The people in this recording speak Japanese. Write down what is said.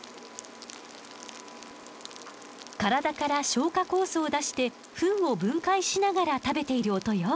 体から消化酵素を出してフンを分解しながら食べている音よ。